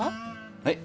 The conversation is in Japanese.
はい？